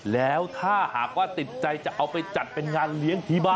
แล้วถ้าหากว่าติดใจจะเอาไปจัดเป็นงานเลี้ยงที่บ้าน